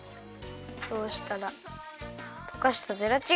そうしたらとかしたゼラチン！